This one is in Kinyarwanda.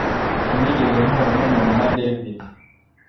Sinigeze mpura numuntu nka David